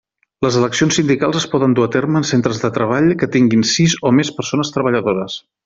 Les eleccions sindicals es poden dur a terme en centres de treball que tinguin sis o més persones treballadores.